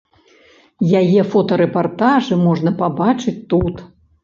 Яе фотарэпартажы можна пабачыць тут.